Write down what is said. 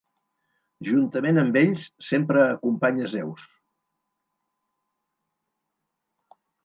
Juntament amb ells, sempre acompanya Zeus.